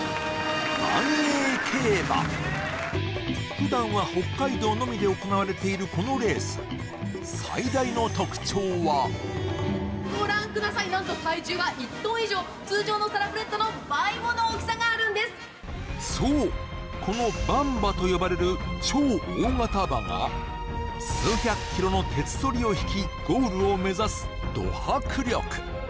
普段は北海道のみで行われているこのレースそうこのばん馬と呼ばれる超大型馬が数百ｋｇの鉄ソリをひきゴールを目指すド迫力！